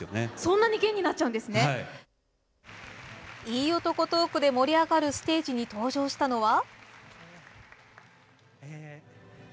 いい男トークで盛り上がるステージに登場したのは。